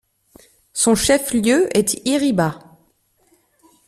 Son chef-lieu est Iriba.